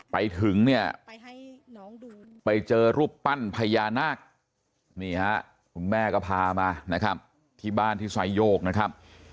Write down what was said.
ไปถึงเนี่ยไปเจอรูปปั้นพญานาคนี่ฮะคุณแม่ก็พามานะครับที่บ้านที่ไซโยกนะครับ